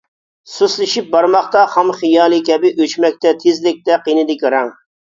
سۇسلىشىپ بارماقتا خام خىيال كەبى ئۆچمەكتە تېزلىكتە قېنىدىكى رەڭ.